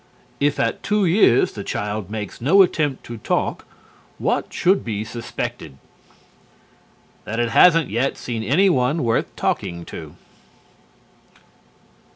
If at two years the child makes no attempt to talk, what should be suspected? That it hasn't yet seen anyone worth talking to.